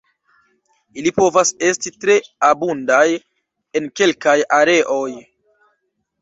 Ili povas esti tre abundaj en kelkaj areoj.